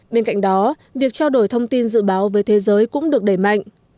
bên cạnh đó việc trao đổi thông tin dự báo với thế giới cũng được đẩy mạnh